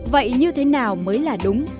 vậy như thế nào mới là đúng